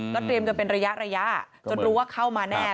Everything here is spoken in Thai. เตรียมกันเป็นระยะจนรู้ว่าเข้ามาแน่